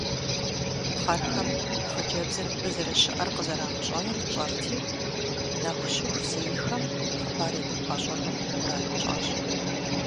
Пхъэрхэм хъыджэбзыр мыбы зэрыщыӀэр къызэрамыщӀэнур тщӀэрти, нэху щыху зейхэм хъыбар едмыгъэщӀэну мурад тщӀащ.